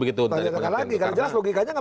karena jelas logikanya tidak